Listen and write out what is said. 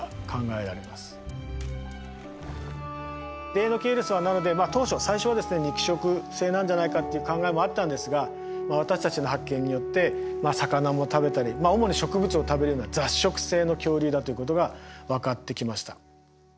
デイノケイルスはなので当初最初はですね肉食性なんじゃないかっていう考えもあったんですが私たちの発見によって魚も食べたり主に植物を食べるような雑食性の恐竜だということが分かってきました。